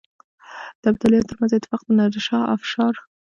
د ابدالیانو ترمنځ اتفاق د نادرافشار ماته وه.